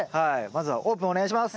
まずはオープンお願いします。